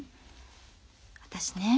私ね。